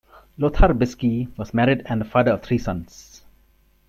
Lothar Bisky was married and the father of three sons.